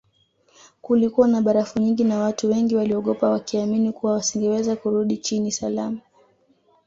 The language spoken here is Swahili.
Kulikuwa na barafu nyingi na watu wengi waliogopa wakiamini kuwa wasingeweza kurudi chini salama